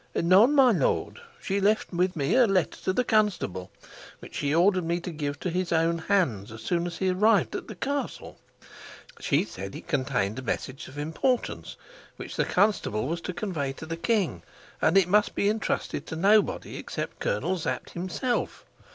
"None, my lord. She left with me a letter to the constable, which she ordered me to give to his own hands as soon as he arrived at the castle. She said it contained a message of importance, which the constable was to convey to the king, and that it must be intrusted to nobody except Colonel Sapt himself.